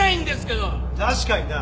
確かにな。